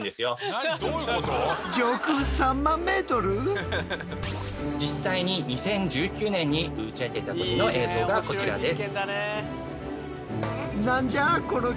僕らは実際に２０１９年に打ち上げた時の映像がこちらです。